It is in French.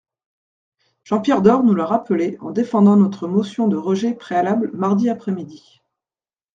Jean-Pierre Door nous l’a rappelé en défendant notre motion de rejet préalable mardi après-midi.